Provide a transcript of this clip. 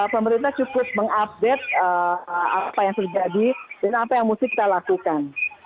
pemerintah cukup mengupdate apa yang terjadi dan apa yang mesti kita lakukan